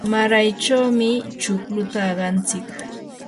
maraychawmi chukluta aqantsik.